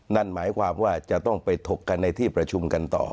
นั่นหมายความว่าจะต้องไปถกกันในที่ประชุมกันต่อ